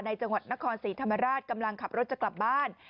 จังหวัดนครศรีธรรมราชกำลังขับรถจะกลับบ้าน